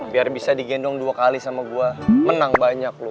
biar bisa digendong dua kali sama gue menang banyak loh